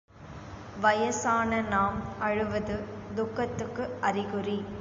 வயசான நாம் அழுவது துக்கத்துக்கு அறிகுறி.